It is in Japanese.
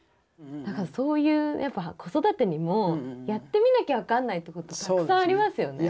そういうやっぱ子育てにもやってみなきゃわかんないってことたくさんありますよね。